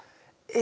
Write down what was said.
え